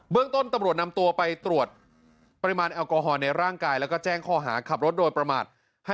ต้นตำรวจนำตัวไปตรวจปริมาณแอลกอฮอลในร่างกายแล้วก็แจ้งข้อหาขับรถโดยประมาท